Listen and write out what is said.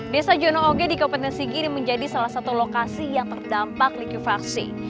desa jono oge di kabupaten sigiri menjadi salah satu lokasi yang terdampak likuifaksi